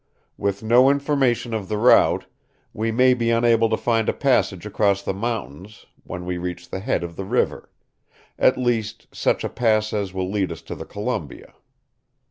With no information of the route, we may be unable to find a passage across the mountains when we reach the head of the river at least, such a pass as will lead us to the Columbia.